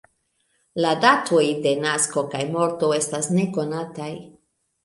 La datoj de nasko kaj morto estas nekonataj.